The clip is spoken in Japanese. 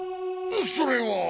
それは。